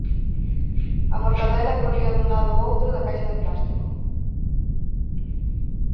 A forcadela corría dun lado ó outro da caixa de plástico.